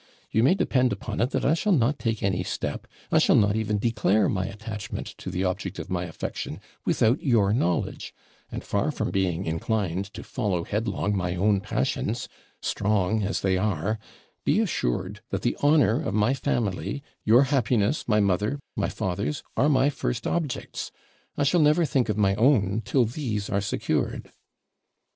You may depend upon it that I shall not take any step, I shall not even declare my attachment to the object of my affection, without your knowledge; and, far from being inclined to follow headlong my own passions strong as they are be assured that the honour of my family, your happiness, my mother, my father's, are my first objects: I shall never think of my own till these are secured.'